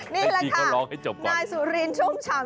นี่แหละค่ะนายสุรินทรุ่มชำ